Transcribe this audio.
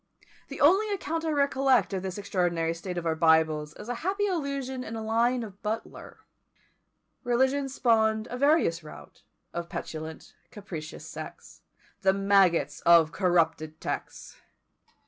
The only account I recollect of this extraordinary state of our Bibles is a happy allusion in a line of Butler: Religion spawn'd a various rout, Of petulant, capricious sects, THE MAGGOTS OF CORRUPTED TEXTS.